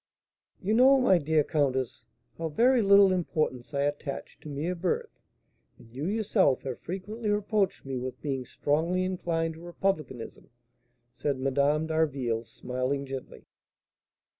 "You know, my dear countess, how very little importance I attach to mere birth, and you yourself have frequently reproached me with being strongly inclined to republicanism," said Madame d'Harville, smiling gently.